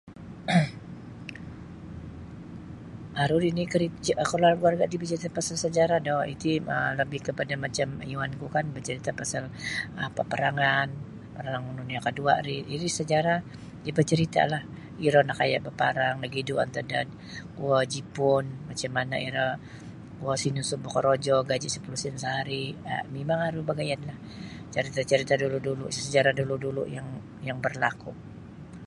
Aru nini kaluarga keluarga ti bacarita pasal sajarah do iti labih kapada um macam iwan ku kan bacarita pasal paparangan paparang dunia kedua ri iri sajarah iyo bacarita lah iro nakaya baparang nagidu antad da kuo jipun macam mana iro sinunsub da bakorojo gaji sapuluh sin sahari mimang aru bagayad lah carita carita dulu-dulu sajarah dulu-dulu yang yang berlaku.